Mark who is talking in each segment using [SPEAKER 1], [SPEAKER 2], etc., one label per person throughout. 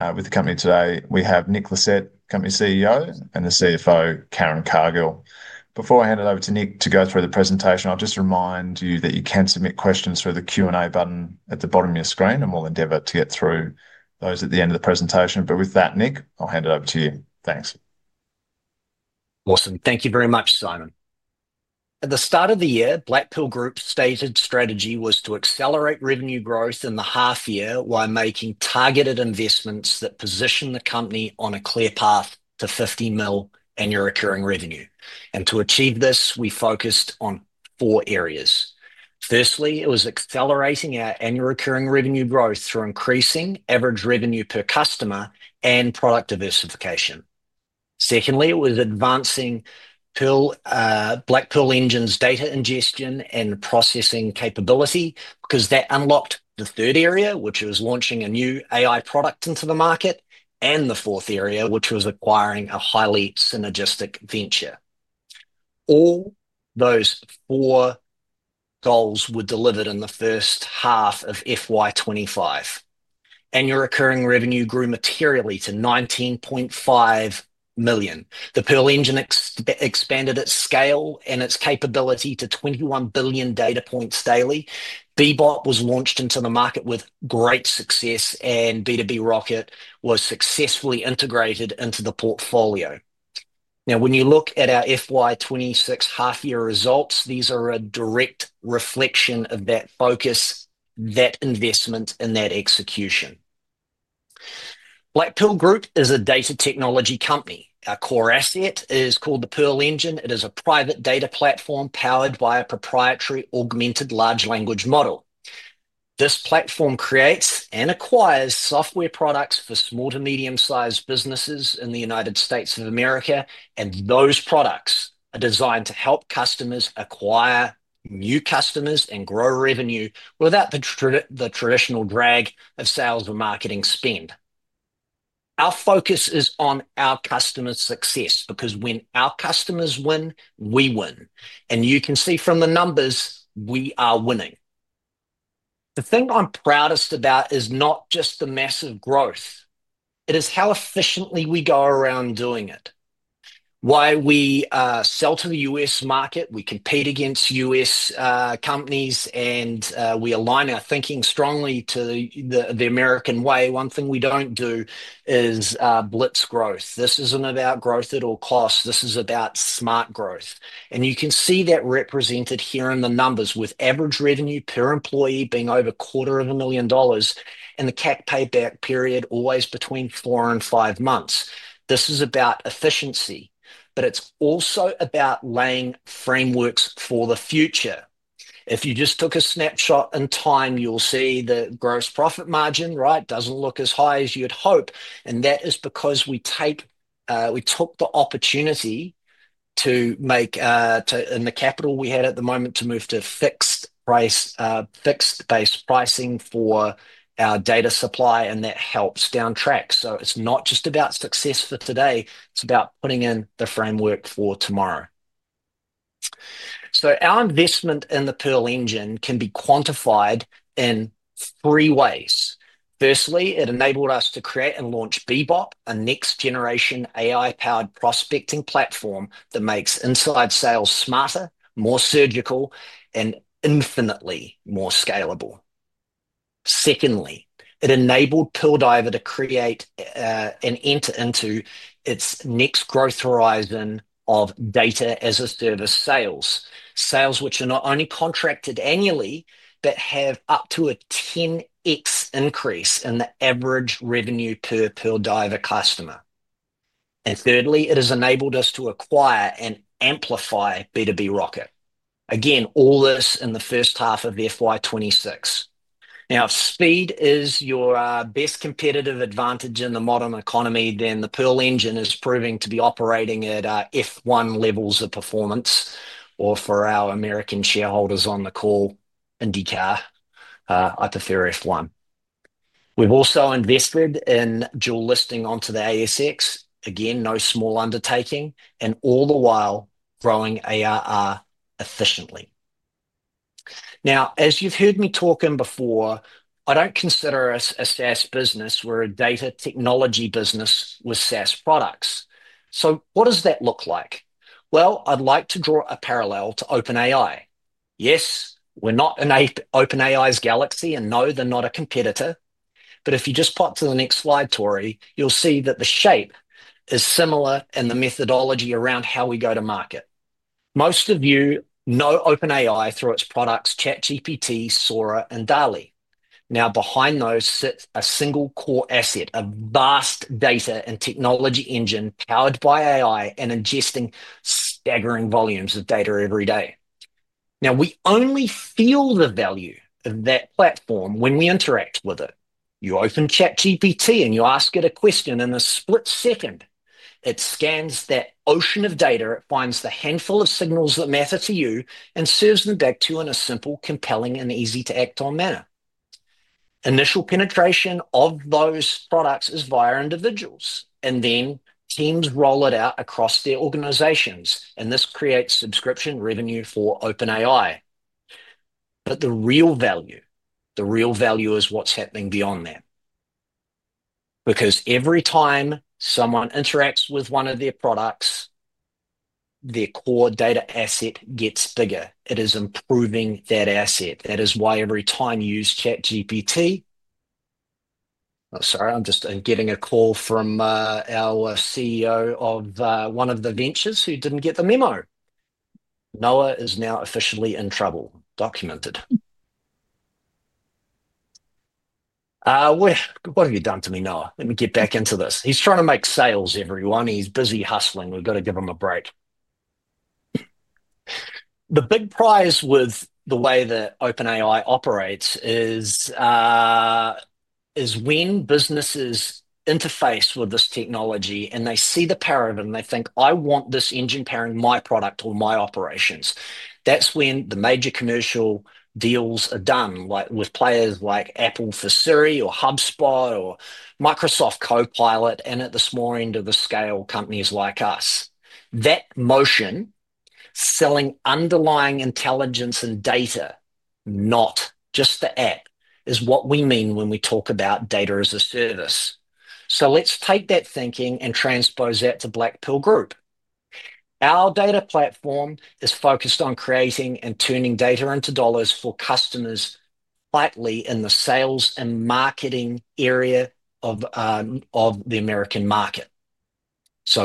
[SPEAKER 1] With the company today, we have Nick Lissette, Company CEO, and the CFO, Karen Cargill. Before I hand it over to Nick to go through the presentation, I'll just remind you that you can submit questions through the Q&A button at the bottom of your screen, and we'll endeavour to get through those at the end of the presentation. With that, Nick, I'll hand it over to you. Thanks.
[SPEAKER 2] Awesome. Thank you very much, Simon. At the start of the year, Blackpearl Group's stated strategy was to accelerate revenue growth in the half year while making targeted investments that position the company on a clear path to $50 million annual recurring revenue. To achieve this, we focused on four areas. Firstly, it was accelerating our annual recurring revenue growth through increasing average revenue per customer and product diversification. Secondly, it was advancing Pearl Engine's data ingestion and processing capability because that unlocked the third area, which was launching a new AI product into the market, and the fourth area, which was acquiring a highly synergistic venture. All those four goals were delivered in the first half of FY 2025. Annual recurring revenue grew materially to $19.5 million. The Pearl Engine expanded its scale and its capability to 21 billion data points daily. Bebop was launched into the market with great success, and B2B Rocket was successfully integrated into the portfolio. Now, when you look at our FY 2026 half-year results, these are a direct reflection of that focus, that investment, and that execution. Blackpearl Group is a data technology company. Our core asset is called the Pearl Engine. It is a private data platform powered by a proprietary augmented large language model. This platform creates and acquires software products for small to medium-sized businesses in the United States of America, and those products are designed to help customers acquire new customers and grow revenue without the traditional drag of sales and marketing spend. Our focus is on our customer success because when our customers win, we win. You can see from the numbers we are winning. The thing I'm proudest about is not just the massive growth. It is how efficiently we go around doing it. While we sell to the U.S. market, we compete against U.S. companies, and we align our thinking strongly to the American way. One thing we do not do is blitz growth. This is not about growth at all costs. This is about smart growth. You can see that represented here in the numbers with average revenue per employee being over $250,000 and the CAC payback period always between four and five months. This is about efficiency, but it is also about laying frameworks for the future. If you just took a snapshot in time, you will see the gross profit margin, right, does not look as high as you would hope. That is because we took the opportunity to make the capital we had at the moment to move to fixed-based pricing for our data supply, and that helps down track. It is not just about success for today. It is about putting in the framework for tomorrow. Our investment in the Pearl Engine can be quantified in three ways. Firstly, it enabled us to create and launch Bebop, a next-generation AI-powered prospecting platform that makes inside sales smarter, more surgical, and infinitely more scalable. Secondly, it enabled Pearl Diver to create and enter into its next growth horizon of Data-as-a-Service sales, sales which are not only contracted annually but have up to a 10x increase in the average revenue per Pearl Diver customer. Thirdly, it has enabled us to acquire and amplify B2B Rocket. Again, all this in the first half of FY 2026. Now, if speed is your best competitive advantage in the modern economy, then the Pearl Engine is proving to be operating at F1 levels of performance, or for our American shareholders on the call, [NDK], I prefer F1. We've also invested in dual listing onto the ASX. Again, no small undertaking, and all the while growing ARR efficiently. As you've heard me talking before, I don't consider us a SaaS business. We're a data technology business with SaaS products. What does that look like? I'd like to draw a parallel to OpenAI. Yes, we're not in OpenAI's galaxy, and no, they're not a competitor. If you just pop to the next slide, Tori, you'll see that the shape is similar in the methodology around how we go to market. Most of you know OpenAI through its products, ChatGPT, Sora, and DALL-E. Now, behind those sits a single core asset, a vast data and technology engine powered by AI and ingesting staggering volumes of data every day. Now, we only feel the value of that platform when we interact with it. You open ChatGPT and you ask it a question in a split second. It scans that ocean of data, finds the handful of signals that matter to you, and serves them back to you in a simple, compelling, and easy-to-act-on manner. Initial penetration of those products is via individuals, and then teams roll it out across their organizations, and this creates subscription revenue for OpenAI. The real value, the real value is what's happening beyond that. Because every time someone interacts with one of their products, their core data asset gets bigger. It is improving that asset. That is why every time you use ChatGPT—sorry, I'm just getting a call from our CEO of one of the ventures who didn't get the memo. Noah is now officially in trouble. Documented. What have you done to me, Noah? Let me get back into this. He's trying to make sales, everyone. He's busy hustling. We've got to give him a break. The big prize with the way that OpenAI operates is when businesses interface with this technology and they see the power of it and they think, "I want this engine powering my product or my operations." That's when the major commercial deals are done, like with players like Apple for Siri or HubSpot or Microsoft Copilot and at the small end of the scale, companies like us. That motion, selling underlying intelligence and data, not just the app, is what we mean when we talk about Data-as-a-Service. Let's take that thinking and transpose that to Blackpearl Group. Our data platform is focused on creating and turning data into dollars for customers tightly in the sales and marketing area of the American market.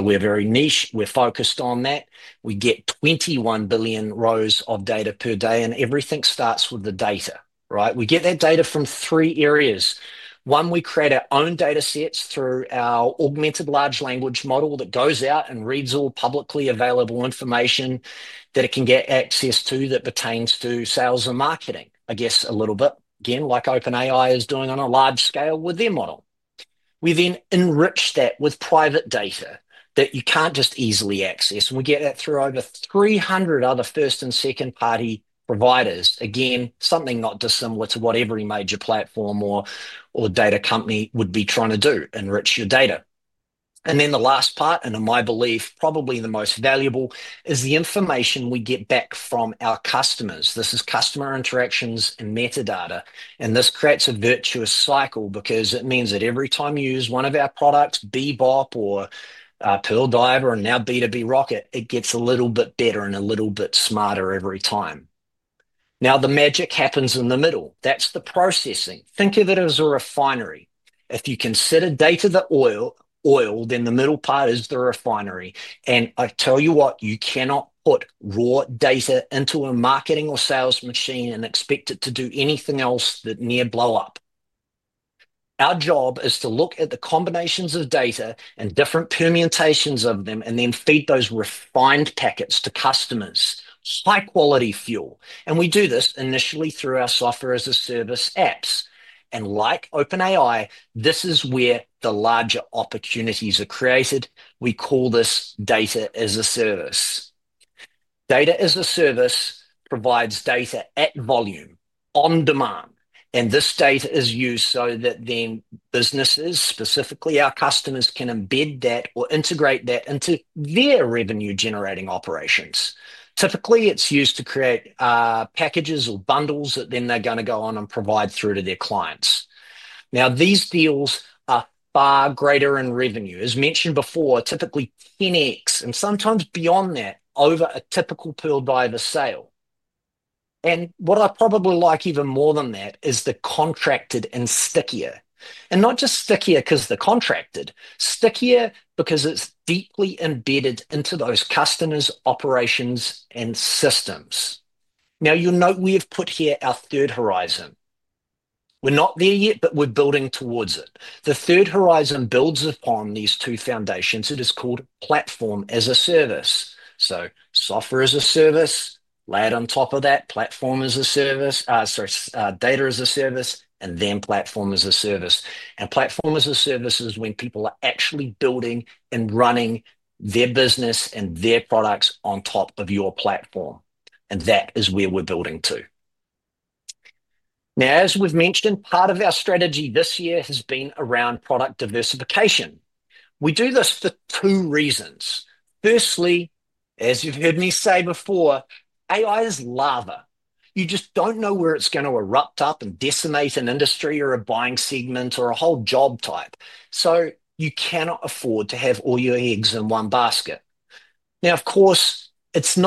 [SPEAKER 2] We are very niche. We are focused on that. We get 21 billion rows of data per day, and everything starts with the data, right? We get that data from three areas. One, we create our own data sets through our augmented large language model that goes out and reads all publicly available information that it can get access to that pertains to sales and marketing, I guess, a little bit, again, like OpenAI is doing on a large scale with their model. We then enrich that with private data that you cannot just easily access. We get that through over 300 other first and second-party providers. Again, something not dissimilar to what every major platform or data company would be trying to do, enrich your data. The last part, and in my belief, probably the most valuable, is the information we get back from our customers. This is customer interactions and metadata. This creates a virtuous cycle because it means that every time you use one of our products, Bebop or Pearl Diver and now B2B Rocket, it gets a little bit better and a little bit smarter every time. Now, the magic happens in the middle. That is the processing. Think of it as a refinery. If you consider data the oil, then the middle part is the refinery. I tell you what, you cannot put raw data into a marketing or sales machine and expect it to do anything else that near blow up. Our job is to look at the combinations of data and different permutations of them and then feed those refined packets to customers, high-quality fuel. We do this initially through our Software-as-a-Service apps. Like OpenAI, this is where the larger opportunities are created. We call this Data-as-a-Service. Data-as-a-Service provides data at volume, on demand. This data is used so that then businesses, specifically our customers, can embed that or integrate that into their revenue-generating operations. Typically, it is used to create packages or bundles that then they are going to go on and provide through to their clients. These deals are far greater in revenue, as mentioned before, typically 10x and sometimes beyond that over a typical Pearl Diver sale. What I probably like even more than that is the contracted and stickier. Not just stickier because they're contracted, stickier because it's deeply embedded into those customers' operations and systems. You'll note we have put here our third horizon. We're not there yet, but we're building towards it. The third horizon builds upon these two foundations. It is called Platform-as-a-Service. Software-as-a-Service, layered on top of that, Platform-as-a-Service, sorry, Data-as-a-Service, and then Platform-as-a-Service. Platform-as-a-Service is when people are actually building and running their business and their products on top of your platform. That is where we're building to. As we've mentioned, part of our strategy this year has been around product diversification. We do this for two reasons. Firstly, as you've heard me say before, AI is lava. You just don't know where it's going to erupt up and decimate an industry or a buying segment or a whole job type. You cannot afford to have all your eggs in one basket. Of course, this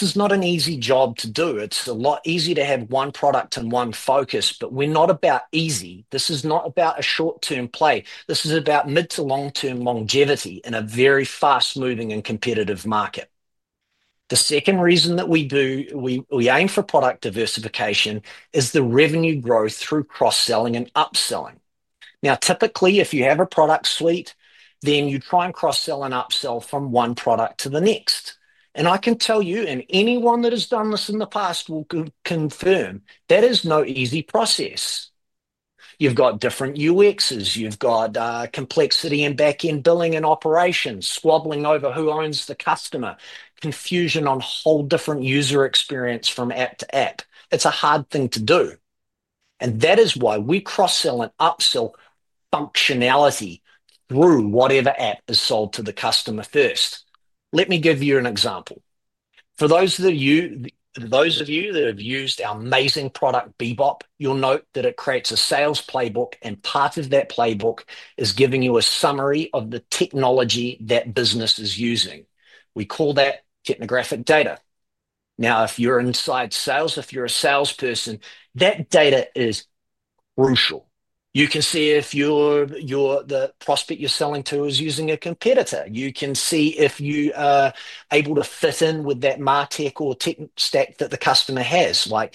[SPEAKER 2] is not an easy job to do. It's a lot easier to have one product and one focus, but we're not about easy. This is not about a short-term play. This is about mid to long-term longevity in a very fast-moving and competitive market. The second reason that we aim for product diversification is the revenue growth through cross-selling and upselling. Typically, if you have a product suite, then you try and cross-sell and upsell from one product to the next. I can tell you, and anyone that has done this in the past will confirm, that is no easy process. You've got different UXs. You've got complexity in back-end billing and operations, squabbling over who owns the customer, confusion on whole different user experience from app to app. It's a hard thing to do. That is why we cross-sell and upsell functionality through whatever app is sold to the customer first. Let me give you an example. For those of you that have used our amazing product, Bebop, you'll note that it creates a sales playbook, and part of that playbook is giving you a summary of the technology that business is using. We call that technographic data. Now, if you're inside sales, if you're a salesperson, that data is crucial. You can see if the prospect you're selling to is using a competitor. You can see if you are able to fit in with that mar-tech or tech stack that the customer has. Like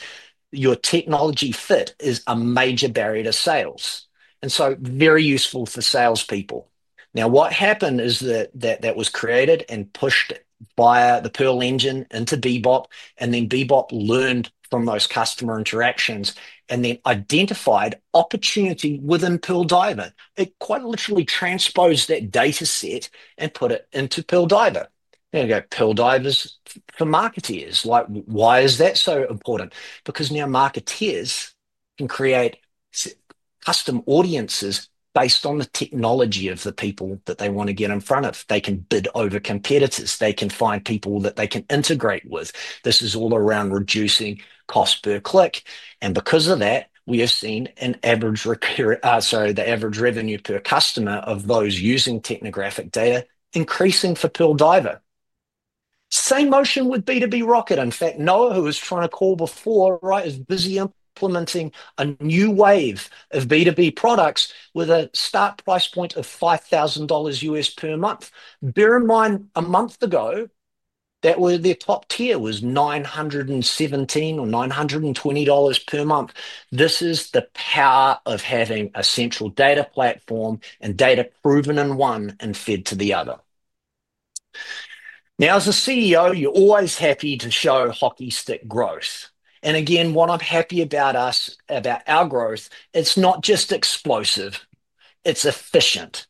[SPEAKER 2] your technology fit is a major barrier to sales. Very useful for salespeople. Now, what happened is that that was created and pushed via the Pearl Engine into Bebop, and then Bebop learned from those customer interactions and then identified opportunity within Pearl Diver. It quite literally transposed that data set and put it into Pearl Diver. There you go. Pearl Diver's for marketeers. Like why is that so important? Because now marketeers can create custom audiences based on the technology of the people that they want to get in front of. They can bid over competitors. They can find people that they can integrate with. This is all around reducing cost per click. Because of that, we have seen an average revenue per customer of those using technographic data increasing for Pearl Diver. Same motion with B2B Rocket. In fact, Noah, who was trying to call before, right, is busy implementing a new wave of B2B products with a start price point of $5,000 per month. Bear in mind, a month ago, their top tier was $917 or $920 per month. This is the power of having a central data platform and data proven in one and fed to the other. Now, as a CEO, you're always happy to show hockey stick growth. What I'm happy about us, about our growth, it's not just explosive. It's efficient.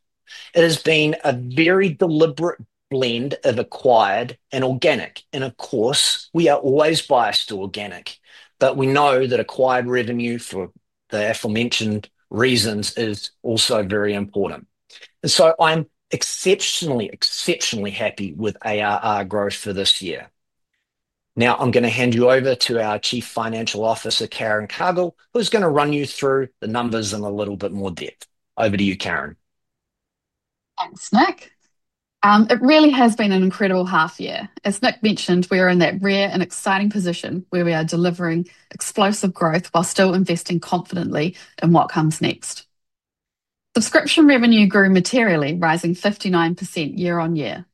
[SPEAKER 2] It has been a very deliberate blend of acquired and organic. Of course, we are always biased to organic, but we know that acquired revenue for the aforementioned reasons is also very important. I am exceptionally, exceptionally happy with ARR growth for this year. Now, I'm going to hand you over to our Chief Financial Officer, Karen Cargill, who's going to run you through the numbers in a little bit more depth. Over to you, Karen.
[SPEAKER 3] Thanks, Nick. It really has been an incredible half year. As Nick mentioned, we are in that rare and exciting position where we are delivering explosive growth while still investing confidently in what comes next. Subscription revenue grew materially, rising 59% year on year.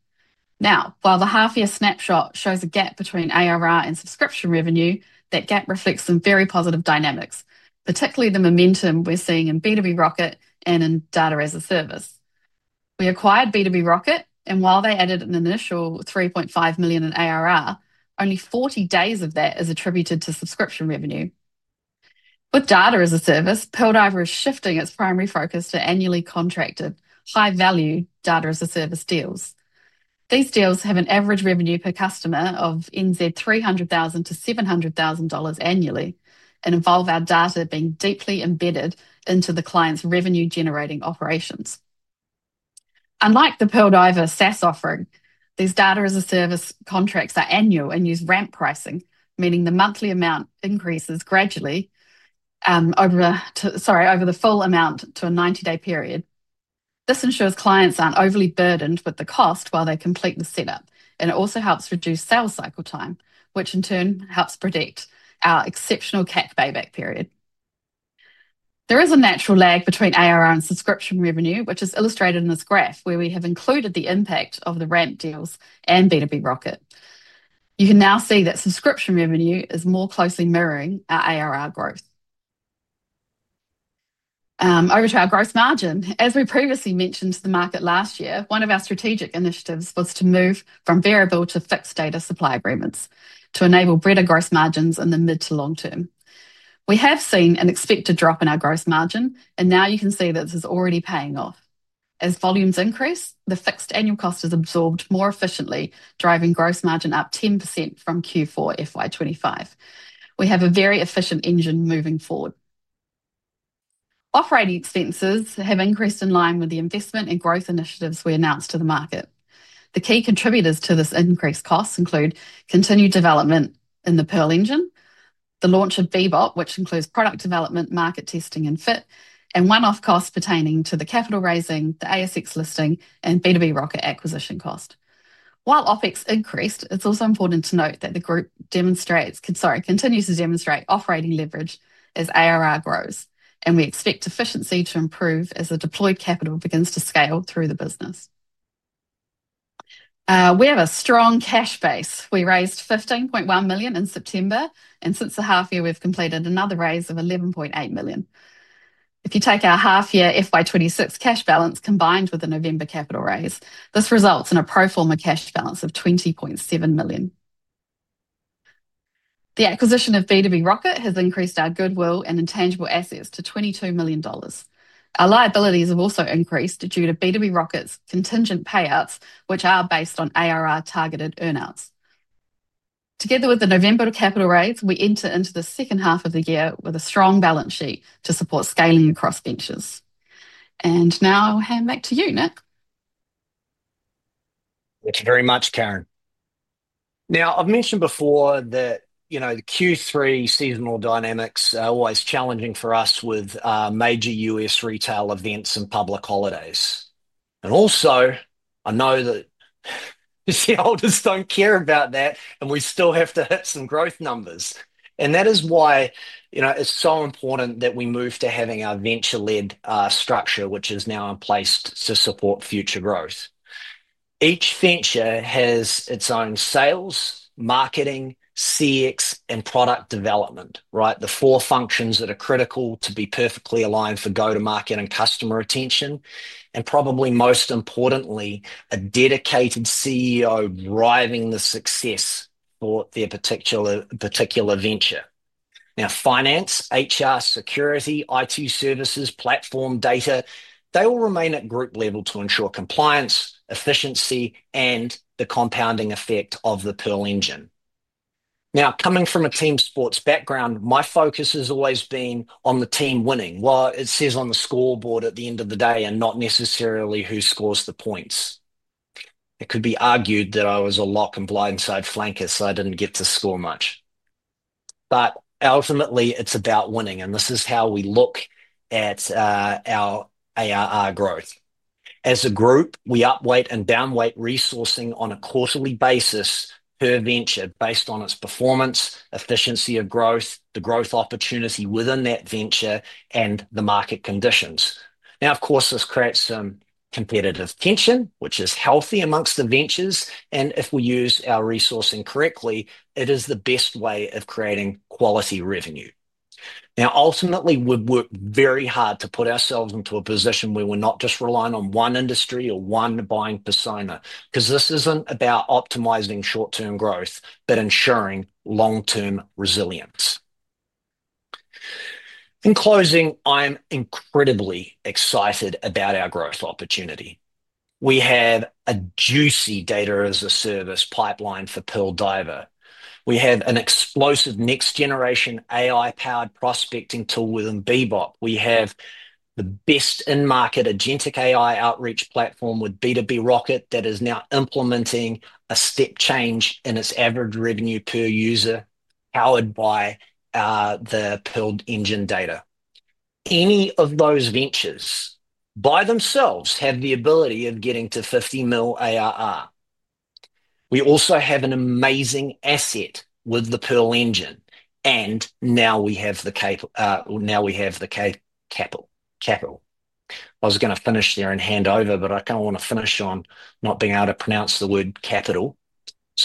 [SPEAKER 3] Now, while the half-year snapshot shows a gap between ARR and subscription revenue, that gap reflects some very positive dynamics, particularly the momentum we're seeing in B2B Rocket and in Data-as-a-Service. We acquired B2B Rocket, and while they added an initial $3.5 million in ARR, only 40 days of that is attributed to subscription revenue. With Data-as-a-Service, Pearl Diver is shifting its primary focus to annually contracted high-value Data-as-a-Service deals. These deals have an average revenue per customer of 300,000-700,000 NZ dollars annually and involve our data being deeply embedded into the client's revenue-generating operations. Unlike the Pearl Diver SaaS offering, these Data-as-a-Service contracts are annual and use ramp pricing, meaning the monthly amount increases gradually over the full amount to a 90-day period. This ensures clients are not overly burdened with the cost while they complete the setup, and it also helps reduce sales cycle time, which in turn helps predict our exceptional CAC payback period. There is a natural lag between ARR and subscription revenue, which is illustrated in this graph where we have included the impact of the ramp deals and B2B Rocket. You can now see that subscription revenue is more closely mirroring our ARR growth. Over to our gross margin. As we previously mentioned to the market last year, one of our strategic initiatives was to move from variable to fixed data supply agreements to enable better gross margins in the mid to long term. We have seen an expected drop in our gross margin, and now you can see that this is already paying off. As volumes increase, the fixed annual cost is absorbed more efficiently, driving gross margin up 10% from Q4 FY 2025. We have a very efficient engine moving forward. Operating expenses have increased in line with the investment and growth initiatives we announced to the market. The key contributors to this increased cost include continued development in the Pearl Engine, the launch of Bebop, which includes product development, market testing and fit, and one-off costs pertaining to the capital raising, the ASX listing, and B2B Rocket acquisition cost. While OpEx increased, it's also important to note that the group continues to demonstrate operating leverage as ARR grows, and we expect efficiency to improve as the deployed capital begins to scale through the business. We have a strong cash base. We raised 15.1 million in September, and since the half year, we've completed another raise of 11.8 million. If you take our half-year FY 2026 cash balance combined with the November capital raise, this results in a pro forma cash balance of 20.7 million. The acquisition of B2B Rocket has increased our goodwill and intangible assets to $22 million. Our liabilities have also increased due to B2B Rocket's contingent payouts, which are based on ARR targeted earnings. Together with the November capital raise, we enter into the second half of the year with a strong balance sheet to support scaling across ventures. Now I'll hand back to you, Nick.
[SPEAKER 2] Thank you very much, Karen. I mentioned before that, you know, the Q3 seasonal dynamics are always challenging for us with major US retail events and public holidays. I know that the oldest do not care about that, and we still have to hit some growth numbers. That is why, you know, it is so important that we move to having our venture-led structure, which is now in place to support future growth. Each venture has its own sales, marketing, CX, and product development, right? The four functions that are critical to be perfectly aligned for go-to-market and customer attention. Probably most importantly, a dedicated CEO driving the success for their particular venture. Finance, HR, security, IT services, platform, data, they will remain at group level to ensure compliance, efficiency, and the compounding effect of the Pearl Engine. Now, coming from a team sports background, my focus has always been on the team winning, what it says on the scoreboard at the end of the day and not necessarily who scores the points. It could be argued that I was a lock and blindside flanker, so I did not get to score much. Ultimately, it is about winning, and this is how we look at our ARR growth. As a group, we upweight and downweight resourcing on a quarterly basis per venture based on its performance, efficiency of growth, the growth opportunity within that venture, and the market conditions. Of course, this creates some competitive tension, which is healthy amongst the ventures. If we use our resourcing correctly, it is the best way of creating quality revenue. Now, ultimately, we've worked very hard to put ourselves into a position where we're not just relying on one industry or one buying persona, because this isn't about optimizing short-term growth, but ensuring long-term resilience. In closing, I'm incredibly excited about our growth opportunity. We have a juicy Data-as-a-Service pipeline for Pearl Diver. We have an explosive next-generation AI-powered prospecting tool within Bebop. We have the best-in-market agentic AI outreach platform with B2B Rocket that is now implementing a step change in its average revenue per user, powered by the Pearl Engine data. Any of those ventures by themselves have the ability of getting to $50 million ARR. We also have an amazing asset with the Pearl Engine, and now we have the capital. Capital. I was going to finish there and hand over, but I kind of want to finish on not being able to pronounce the word capital.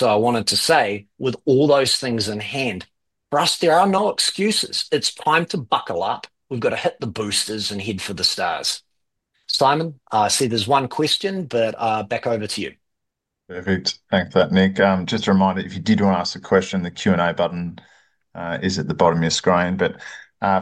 [SPEAKER 2] I wanted to say, with all those things in hand, for us, there are no excuses. It's time to buckle up. We've got to hit the boosters and head for the stars. Simon, I see there's one question, but back over to you.
[SPEAKER 1] Perfect. Thanks for that, Nick. Just a reminder, if you did want to ask a question, the Q&A button is at the bottom of your screen.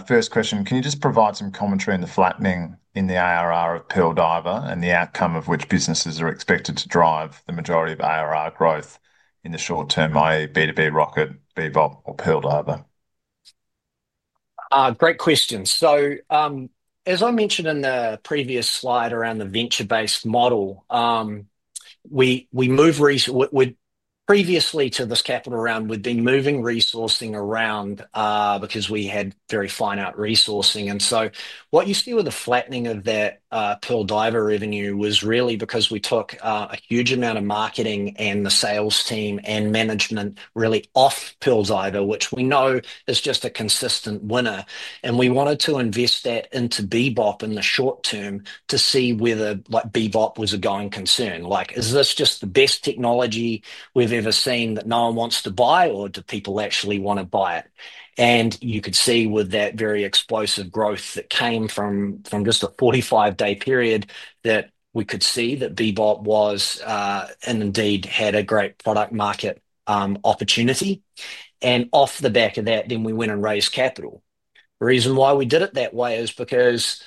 [SPEAKER 1] First question, can you just provide some commentary on the flattening in the ARR of Pearl Diver and the outcome of which businesses are expected to drive the majority of ARR growth in the short term, i.e., B2B Rocket, Bebop, or Pearl Diver?
[SPEAKER 2] Great question. As I mentioned in the previous slide around the venture-based model, we moved previously to this capital around, we've been moving resourcing around because we had very fine out resourcing. What you see with the flattening of that Pearl Diver revenue was really because we took a huge amount of marketing and the sales team and management really off Pearl Diver, which we know is just a consistent winner. We wanted to invest that into Bebop in the short term to see whether Bebop was a going concern. Like, is this just the best technology we've ever seen that no one wants to buy, or do people actually want to buy it? You could see with that very explosive growth that came from just a 45-day period that we could see that Bebop was and indeed had a great product market opportunity. Off the back of that, then we went and raised capital. The reason why we did it that way is because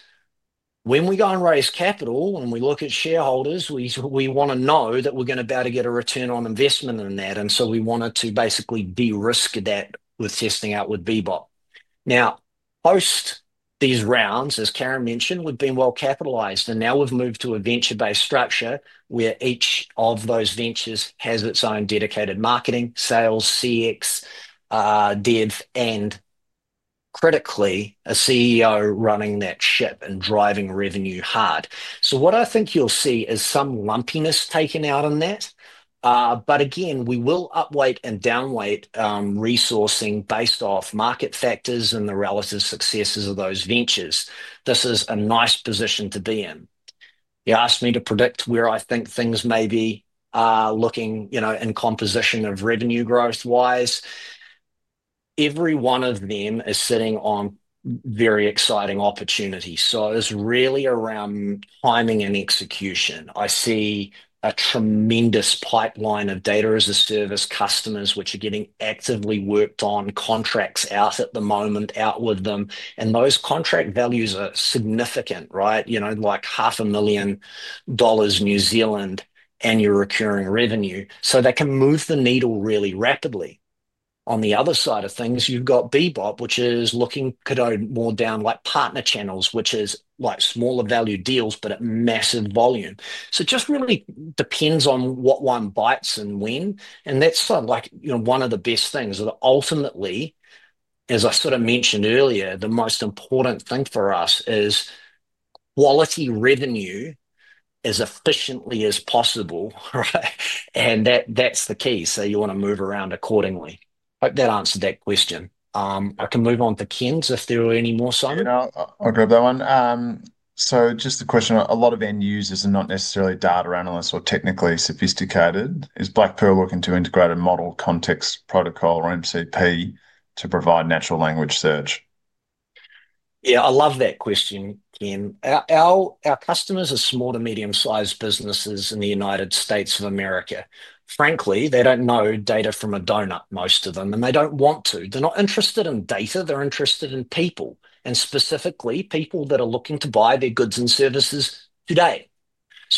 [SPEAKER 2] when we go and raise capital and we look at shareholders, we want to know that we're going to be able to get a return on investment in that. We wanted to basically de-risk that with testing out with Bebop. Now, post these rounds, as Karen mentioned, we've been well capitalized, and now we've moved to a venture-based structure where each of those ventures has its own dedicated marketing, sales, CX, div, and critically, a CEO running that ship and driving revenue hard. What I think you'll see is some lumpiness taken out on that. Again, we will upweight and downweight resourcing based off market factors and the relative successes of those ventures. This is a nice position to be in. You asked me to predict where I think things may be looking, you know, in composition of revenue growth wise. Every one of them is sitting on very exciting opportunities. It is really around timing and execution. I see a tremendous pipeline of Data-as-a-Service customers which are getting actively worked on contracts out at the moment, out with them. Those contract values are significant, right? You know, like 500,000 dollars New Zealand annual recurring revenue. That can move the needle really rapidly. On the other side of things, you have Bebop, which is looking more down like partner channels, which is like smaller value deals, but at massive volume. It just really depends on what one bites and when. That is sort of like, you know, one of the best things. Ultimately, as I sort of mentioned earlier, the most important thing for us is quality revenue as efficiently as possible, right? That is the key. You want to move around accordingly. Hope that answered that question. I can move on to Ken's if there are any more, Simon.
[SPEAKER 1] I'll grab that one. Just a question. A lot of end users are not necessarily data analysts or technically sophisticated. Is Blackpearl Group looking to integrate a model context protocol or MCP to provide natural language search?
[SPEAKER 2] Yeah, I love that question, Ken. Our customers are small to medium-sized businesses in the United States of America. Frankly, they do not know data from a donut, most of them, and they do not want to. They are not interested in data. They are interested in people, and specifically people that are looking to buy their goods and services today.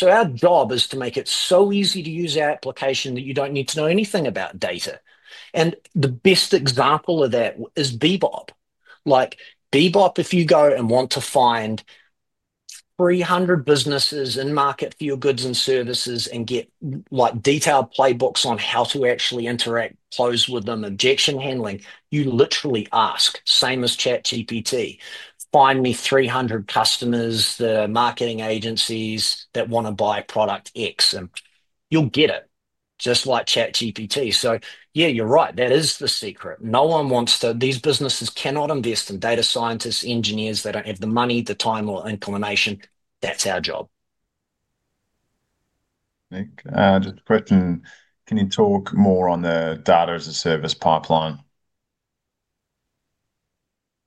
[SPEAKER 2] Our job is to make it so easy to use our application that you do not need to know anything about data. The best example of that is Bebop. Like Bebop, if you go and want to find 300 businesses in market for your goods and services and get detailed playbooks on how to actually interact, close with them, objection handling, you literally ask, same as ChatGPT, find me 300 customers, the marketing agencies that want to buy product X, and you will get it, just like ChatGPT. Yeah, you are right. That is the secret. No one wants to. These businesses cannot invest in data scientists, engineers. They do not have the money, the time, or inclination. That is our job.
[SPEAKER 1] Nick, just a question. Can you talk more on the Data-as-a-Service pipeline?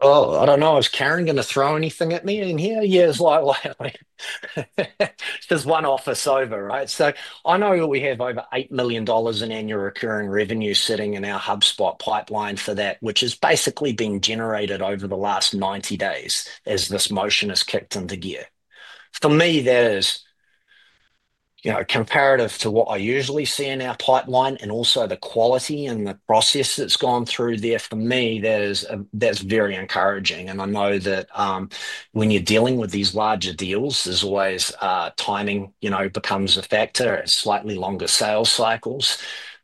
[SPEAKER 2] Oh, I do not know. Is Karen going to throw anything at me in here? Yeah, it's like, it's just one office over, right? I know we have over $8 million in annual recurring revenue sitting in our HubSpot pipeline for that, which has basically been generated over the last 90 days as this motion has kicked into gear. For me, that is, you know, comparative to what I usually see in our pipeline and also the quality and the process that's gone through there, for me, that is very encouraging. I know that when you're dealing with these larger deals, timing, you know, becomes a factor, slightly longer sales cycles.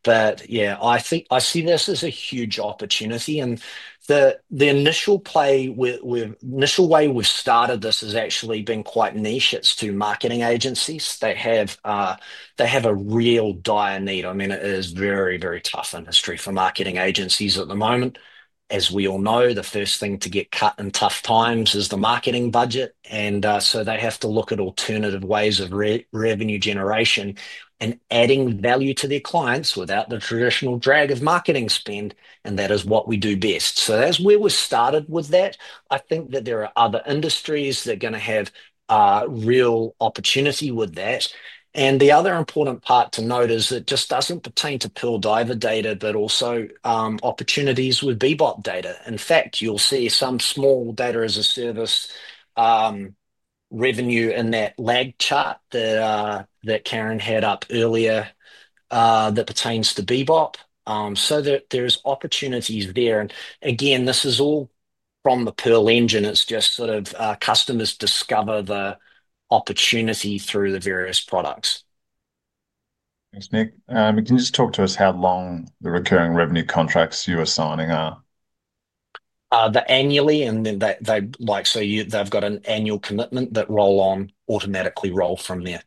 [SPEAKER 2] Yeah, I think I see this as a huge opportunity. The initial play, the initial way we've started this has actually been quite niche. It's to marketing agencies. They have a real dire need. I mean, it is very, very tough industry for marketing agencies at the moment. As we all know, the first thing to get cut in tough times is the marketing budget. They have to look at alternative ways of revenue generation and adding value to their clients without the traditional drag of marketing spend. That is what we do best. That is where we started with that. I think that there are other industries that are going to have real opportunity with that. The other important part to note is it just does not pertain to Pearl Diver data, but also opportunities with Bebop data. In fact, you will see some small Data-as-a-Service revenue in that lag chart that Karen had up earlier that pertains to Bebop. There are opportunities there. This is all from the Pearl Engine. Customers discover the opportunity through the various products.
[SPEAKER 1] Thanks, Nick. Can you just talk to us how long the recurring revenue contracts you are signing are?
[SPEAKER 2] They're annually, and then they like, so they've got an annual commitment that roll on, automatically roll from there.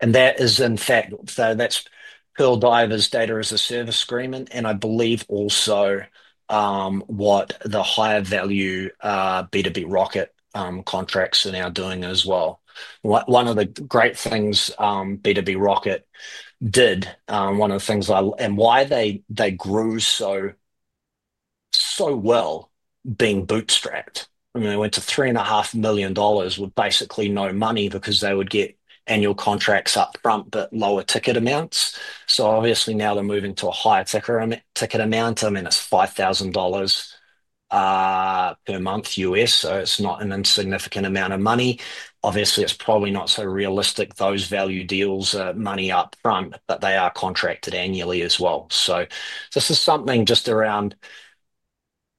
[SPEAKER 2] That is, in fact, Pearl Diver's Data-as-a-Service agreement. I believe also what the higher value B2B Rocket contracts are now doing as well. One of the great things B2B Rocket did, one of the things I, and why they grew so, so well being bootstrapped. I mean, they went to $3.5 million with basically no money because they would get annual contracts upfront, but lower ticket amounts. Obviously now they're moving to a higher ticket amount. I mean, it's $5,000 per month U.S., so it's not an insignificant amount of money. Obviously, it's probably not so realistic. Those value deals are money upfront, but they are contracted annually as well. This is something just around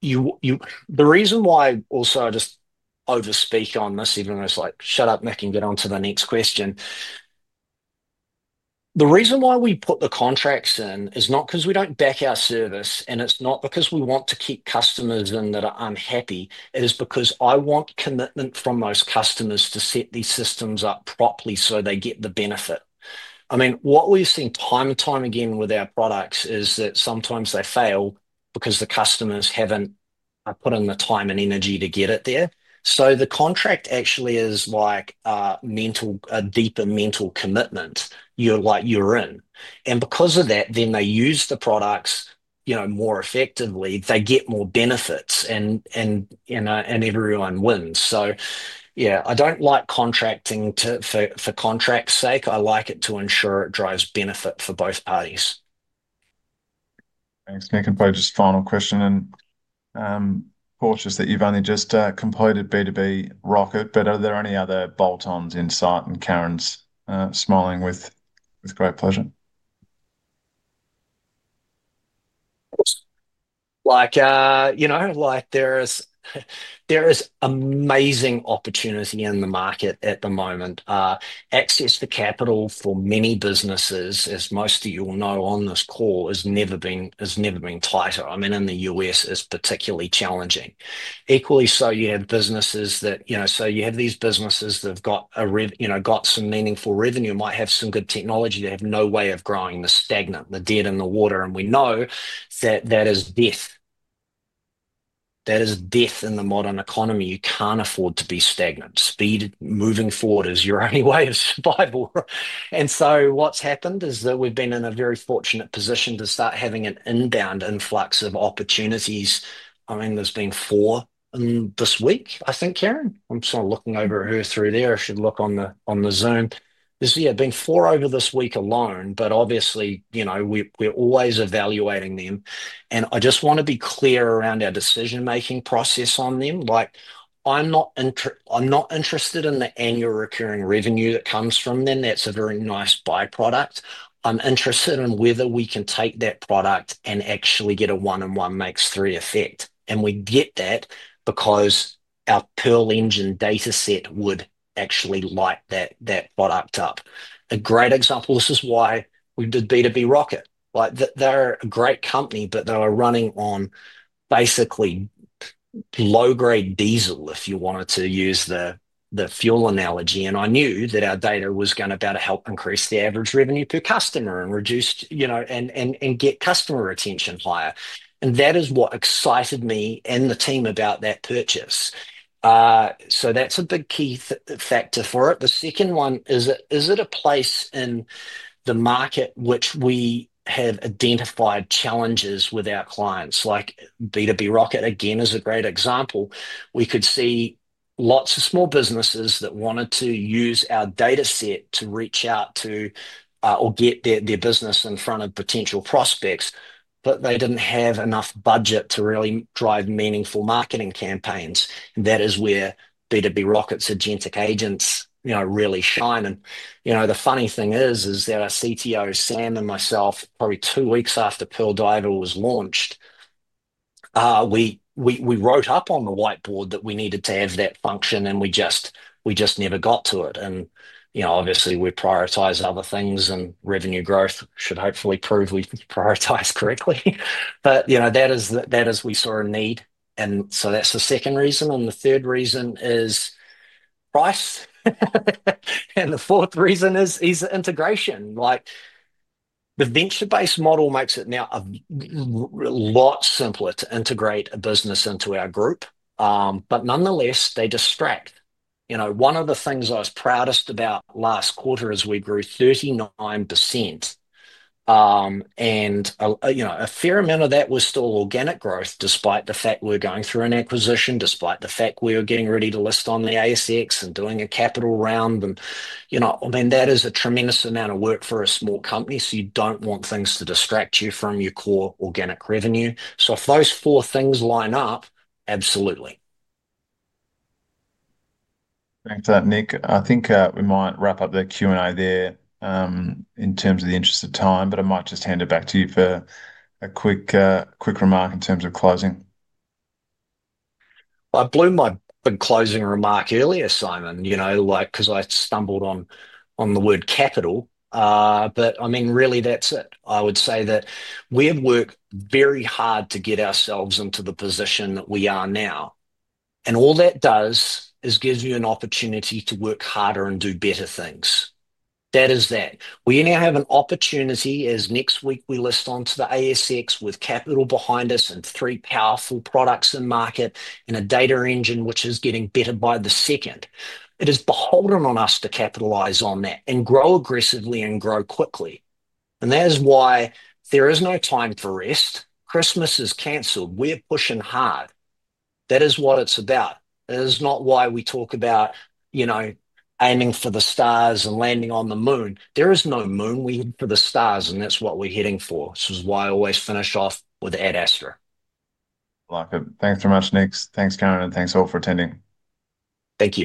[SPEAKER 2] the reason why I also just overspeak on this, even though it's like, shut up, Nick, and get on to the next question. The reason why we put the contracts in is not because we do not back our service, and it is not because we want to keep customers in that are unhappy. It is because I want commitment from those customers to set these systems up properly so they get the benefit. I mean, what we have seen time and time again with our products is that sometimes they fail because the customers have not put in the time and energy to get it there. The contract actually is like a mental, a deeper mental commitment. You are in. Because of that, then they use the products, you know, more effectively. They get more benefits, and everyone wins. Yeah, I don't like contracting for contract's sake. I like it to ensure it drives benefit for both parties.
[SPEAKER 1] Thanks, Nick. Just final question and porch is that you've only just completed B2B Rocket, but are there any other bolt-ons in sight and Karen's smiling with great pleasure?
[SPEAKER 2] Like, you know, like there is amazing opportunity in the market at the moment. Access to capital for many businesses, as most of you will know on this call, has never been, has never been tighter. I mean, in the U.S., it's particularly challenging. Equally so, you have businesses that, you know, so you have these businesses that have got, you know, got some meaningful revenue, might have some good technology. They have no way of growing. They're stagnant, they're dead in the water. We know that that is death. That is death in the modern economy. You can't afford to be stagnant. Speed moving forward is your only way of survival. What's happened is that we've been in a very fortunate position to start having an inbound influx of opportunities. I mean, there's been four this week, I think, Karen. I'm sort of looking over at her through there. I should look on the Zoom. There's been four over this week alone, but obviously, you know, we're always evaluating them. I just want to be clear around our decision-making process on them. Like, I'm not interested in the annual recurring revenue that comes from them. That's a very nice byproduct. I'm interested in whether we can take that product and actually get a one-on-one makes three effect. We get that because our Pearl Engine data set would actually light that product up. A great example, this is why we did B2B Rocket. Like, they're a great company, but they're running on basically low-grade diesel, if you wanted to use the fuel analogy. I knew that our data was going to be able to help increase the average revenue per customer and reduce, you know, and get customer retention higher. That is what excited me and the team about that purchase. That is a big key factor for it. The second one is, is it a place in the market which we have identified challenges with our clients? Like B2B Rocket, again, is a great example. We could see lots of small businesses that wanted to use our data set to reach out to or get their business in front of potential prospects, but they did not have enough budget to really drive meaningful marketing campaigns. That is where B2B Rocket's agentic agents, you know, really shine. You know, the funny thing is, our CTO, Sam, and myself, probably two weeks after Pearl Diver was launched, we wrote up on the whiteboard that we needed to have that function, and we just never got to it. You know, obviously, we prioritized other things, and revenue growth should hopefully prove we prioritized correctly. You know, that is, we saw a need. That is the second reason. The third reason is price. The fourth reason is integration. Like the venture-based model makes it now a lot simpler to integrate a business into our group. Nonetheless, they distract. You know, one of the things I was proudest about last quarter is we grew 39%. You know, a fair amount of that was still organic growth, despite the fact we were going through an acquisition, despite the fact we were getting ready to list on the ASX and doing a capital round. You know, I mean, that is a tremendous amount of work for a small company. You do not want things to distract you from your core organic revenue. If those four things line up, absolutely.
[SPEAKER 1] Thanks for that, Nick. I think we might wrap up the Q&A there in terms of the interest of time, but I might just hand it back to you for a quick, quick remark in terms of closing.
[SPEAKER 2] I blew my big closing remark earlier, Simon, you know, like because I stumbled on the word capital. I mean, really, that is it. I would say that we have worked very hard to get ourselves into the position that we are now. All that does is gives you an opportunity to work harder and do better things. That is that. We now have an opportunity as next week we list onto the ASX with capital behind us and three powerful products in market and a data engine which is getting better by the second. It is beholden on us to capitalize on that and grow aggressively and grow quickly. That is why there is no time for rest. Christmas is canceled. We're pushing hard. That is what it's about. It is not why we talk about, you know, aiming for the stars and landing on the moon. There is no moon. We head for the stars, and that's what we're heading for. This is why I always finish off with Adastra.
[SPEAKER 1] Like it. Thanks very much, Nick. Thanks, Karen, and thanks all for attending. Thank you.